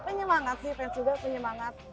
punya nyemangat sih fans juga punya manget